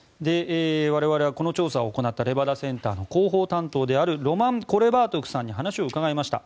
我々はこの調査を行ったレバダ・センターの広報担当であるロマン・コレバートフさんに話を伺いました。